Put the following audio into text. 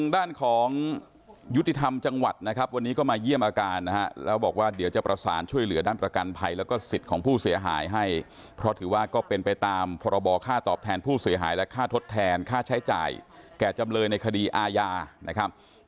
ดีจะได้แคล้วเราบอกว่าเดี๋ยวจะประสานช่วยเหลือดั้งตระกันภัยเป็นค่าตอบแทนพูดเสียหายและค่าทดแทนค่าใช้จ่ายแก่จำเลยในคดีอายาส่วนเรื่องคดีความก็ตำรวจดำเนินการไว้และเดี๋ยวก็จะ